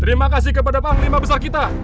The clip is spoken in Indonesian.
terima kasih kepada pahang lima besar kita